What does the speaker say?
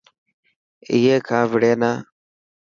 اي کان وڙي نا.